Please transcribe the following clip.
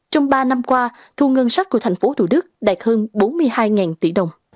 trong ba năm qua thu ngân sách của thành phố thủ đức đạt hơn bốn mươi hai tỷ đồng